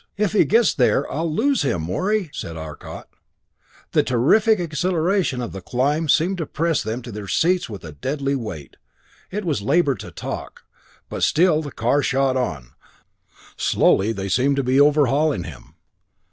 "If he gets there, I lose him, Morey!" said Arcot. The terrific acceleration of the climb seemed to press them to their seats with a deadly weight. It was labor to talk but still the car ahead shot on slowly they seemed to be overhauling him.